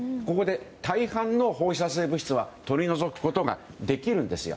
大半の放射性物質は取り除くことができるんですよ。